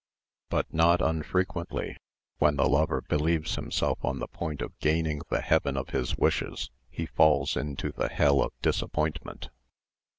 But not unfrequently when the lover believes himself on the point of gaining the heaven of his wishes, he falls into the hell of disappointment.